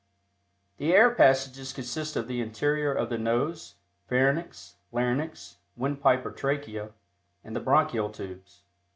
The Air Passages consist of the interior of the nose, pharynx, larynx, windpipe or trachea, and the bronchial tubes.